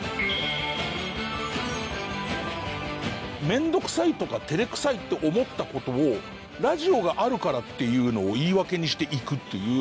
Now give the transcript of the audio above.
面倒くさいとか照れくさいって思った事をラジオがあるからっていうのを言い訳にして行くっていう。